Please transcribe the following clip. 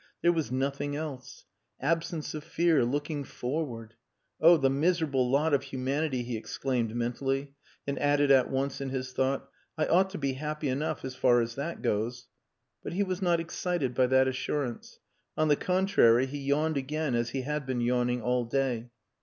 There was nothing else. Absence of fear looking forward. "Oh! the miserable lot of humanity!" he exclaimed mentally; and added at once in his thought, "I ought to be happy enough as far as that goes." But he was not excited by that assurance. On the contrary, he yawned again as he had been yawning all day.